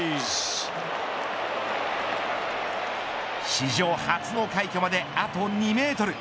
史上初の快挙まであと２メートル。